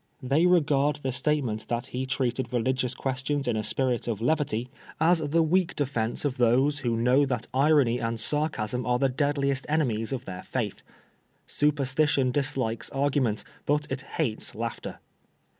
They regard the state ment that he treated religious questions in a spirit of levity as 20 PRISONER FOR BLASPHEMY. the weak defence of those who know that irony and Barcasm are the deadliest enemies of their faith. Superstition dislikes arga ment, but it hates laughter.